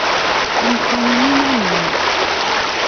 Amkan-im iman-im.